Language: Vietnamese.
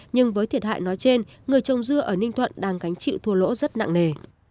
nhưng với thiệt hại nói trên người trồng dưa ở ninh thuận đang gánh chịu thua lỗ rất nặng nề